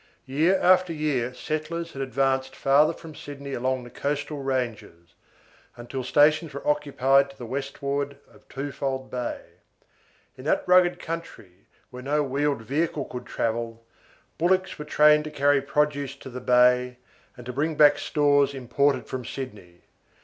Year after year settlers had advanced farther from Sydney along the coastal ranges, until stations were occupied to the westward of Twofold Bay. In that rugged country, where no wheeled vehicle could travel, bullocks were trained to carry produce to the bay, and to bring back stores imported from Sydney.